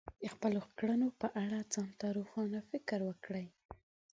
د خپلو کړنو په اړه ځان ته روښانه فکر وکړئ.